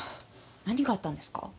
何があったんですか？